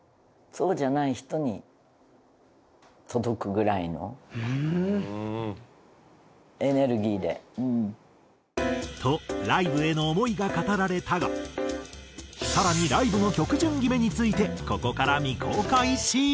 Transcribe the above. ライブにとライブへの思いが語られたが更にライブの曲順決めについてここから未公開シーン。